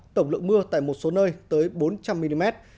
tổng lượng mưa tại một số nơi tới bốn trăm linh mm